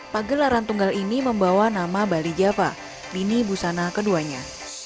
pagelaran tunggal ini membawa nama bali java lini busana keduanya